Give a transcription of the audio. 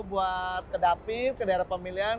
buat ke dapir ke daerah pemilihan